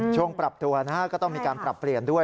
ช่วงปรับตัวก็ต้องมีการปรับเปลี่ยนด้วย